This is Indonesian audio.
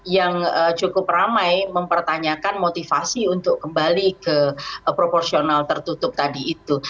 yang cukup ramai mempertanyakan motivasi untuk kembali ke proporsional tertutup tadi itu